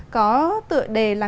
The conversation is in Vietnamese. có tựa đề là